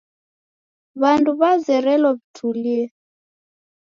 W'andu w'azerelo w'itulie.